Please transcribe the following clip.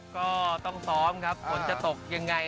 ก็ต้องซ้อมครับฝนจะตกยังไง